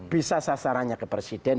bisa sasarannya ke presiden